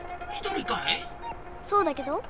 そうだけど。